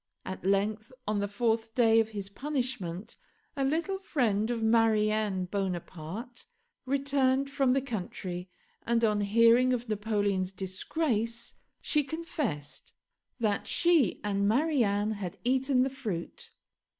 At length, on the fourth day of his punishment a little friend of Marianne Bonaparte returned from the country, and on hearing of Napoleon's disgrace she confessed that she and Marianne had eaten the fruit.